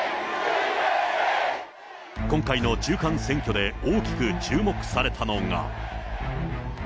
今回の中間選挙で大きく注目されたのが。